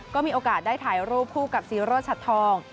ก็มีโอกาสได้ถ่ายรูปคู่กับซีโรชัดทอง